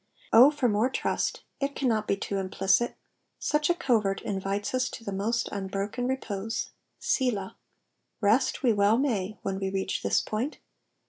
O for more trust ; it cannot be too implicit : such a covert invites us to the mo.<»t unbroken repose. Selaii. Rest we well may when we reach this point.